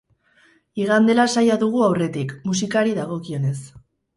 Igande lasaia dugu aurretik, musikari dagokionez.